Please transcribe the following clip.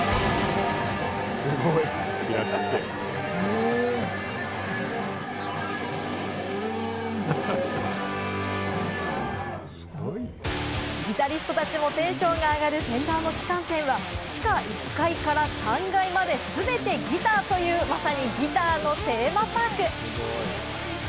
すごい！ギタリストたちもテンションが上がるＦｅｎｄｅｒの旗艦店は、地下１階から３階まで、全てギターというまさにギターのテーマパーク！